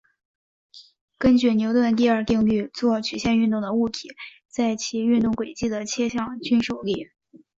根据牛顿第二定律做曲线运动的物体在其运动轨迹的切向均受力。